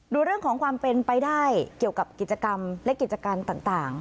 ดูเรื่องของความเป็นไปได้เกี่ยวกับกิจกรรมและกิจการต่าง